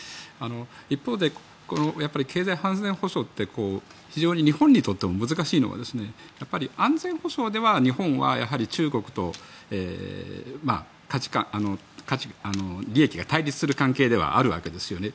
一方で経済安全保障って日本にとっても難しいのはやっぱり安全保障では日本はやはり中国と利益が対立する関係ではあるわけですよね。